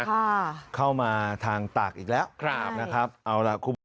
ค่ะเข้ามาทางตากอีกแล้วครับนะครับเอาล่ะ